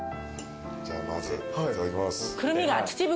じゃあまずいただきます。